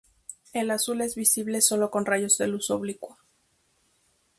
El azul es visible solo con rayos de luz oblicua.